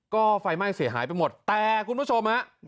ก็ไฟไหม้เสียหายไปหมดแต่คุณผู้ชมฮะ